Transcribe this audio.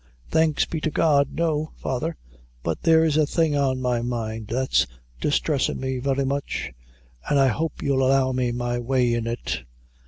"Thanks be to God, no, father; but there's a thing on my mind, that's distressin' me very much, an' I hope you'll allow me my way in it."